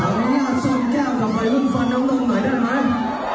ขออนุญาตชดแก้วมาไฟลึกฟันน้องหน่อยได้มั้ย